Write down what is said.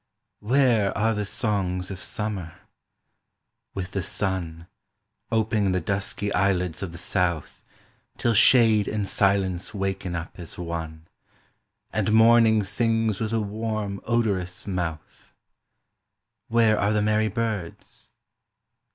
Where are the songs of Summer? With the sun, Opening the dusky eyelids of the south, Till shade and silence waken up as one, And Morning sings with a warm odorous mouth. Where are the merry birds?